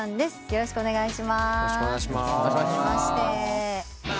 よろしくお願いします。